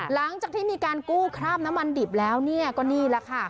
หลังจากที่มีการกู้คราบน้ำมันดิบแล้วเนี่ยก็นี่แหละค่ะ